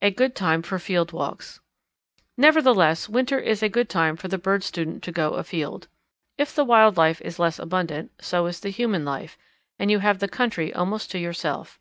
A Good Time for Field Walks. Nevertheless winter is a good time for the bird student to go afield. If the wild life is less abundant, so is the human life, and you have the country almost to yourself.